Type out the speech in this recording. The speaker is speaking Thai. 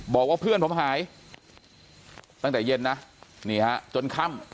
บอกว่าเพื่อนผมหายตั้งแต่เย็นนะนี่ฮะจนค่ำ